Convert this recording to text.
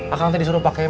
akang tadi suruh pakai med